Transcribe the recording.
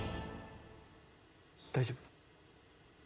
大丈夫？